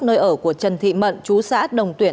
nơi ở của trần thị mận chú xã đồng tuyển